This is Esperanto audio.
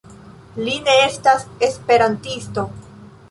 Li ne estas esperantisto.